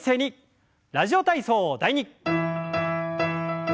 「ラジオ体操第２」。